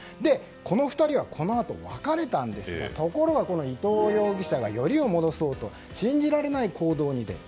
この２人はこのあと別れたんですがところが、伊藤容疑者がよりを戻そうと信じられない行動に出る。